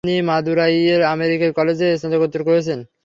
তিনি মাদুরাইয়ের আমেরিকান কলেজে স্নাতকোত্তর করেছেন।